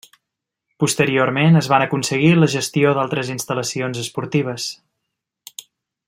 Posteriorment, es van aconseguir la gestió d’altres instal·lacions esportives.